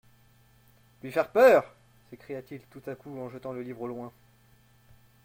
LUI FAIRE PEUR s'écria-t-il tout à coup en jetant le livre au loin.